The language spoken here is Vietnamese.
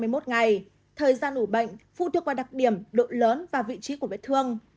thời gian ủ bệnh phụ thuộc qua đặc điểm độ lớn và vị trí của vết thương